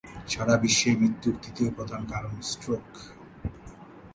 সারাবিশ্বে মৃত্যুর তৃতীয় প্রধান কারণ স্ট্রোক।